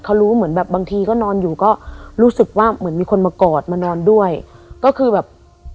เขารู้เหมือนแบบบางทีก็นอนอยู่ก็รู้สึกว่าเหมือนมีคนมากอดมานอนด้วยก็คือแบบ